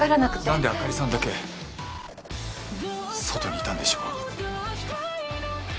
なんで朱莉さんだけ外にいたんでしょう？